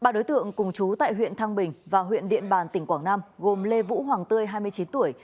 ba đối tượng cùng chú tại huyện thăng bình và huyện điện bàn tỉnh quảng nam gồm lê vũ hoàng tươi hai mươi chín tuổi